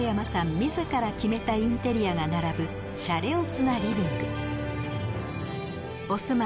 自ら決めたインテリアが並ぶシャレオツな